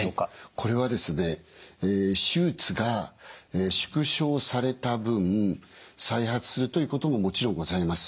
これはですね手術が縮小された分再発するということももちろんございます。